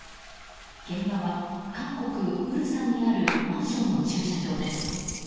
現場は、韓国・蔚山にあるマンションの駐車場です。